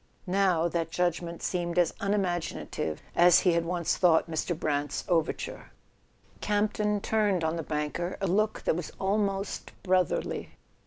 Now, that judgment seemed as unimaginative as he had once thought Mr. [ 25 ] A SON AT THE FRONT Brant's overture. Campton turned on the banker a look that was almost brotherly.